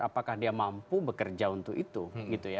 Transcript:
apakah dia mampu bekerja untuk itu